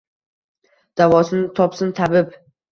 Davosini topsin tabib.